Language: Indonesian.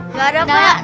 nggak ada pak